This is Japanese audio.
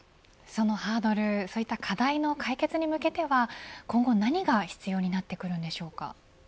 そのハードルそういった課題の解決に向けては今後、何が必要になってくるんでしょうか。